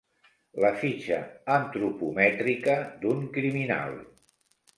La fitxa antropomètrica d'un criminal.